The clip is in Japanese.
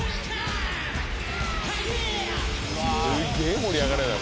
すっげえ盛り上がるんやな